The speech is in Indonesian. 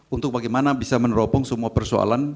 untuk bagaimana bisa menerobong semua persoalan